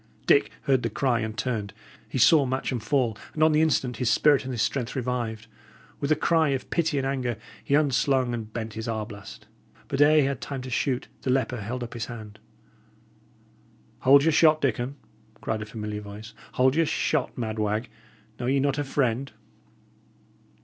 Dick heard the cry and turned. He saw Matcham fall; and on the instant his spirit and his strength revived; With a cry of pity and anger, he unslung and bent his arblast. But ere he had time to shoot, the leper held up his hand. "Hold your shot, Dickon!" cried a familiar voice. "Hold your shot, mad wag! Know ye not a friend?"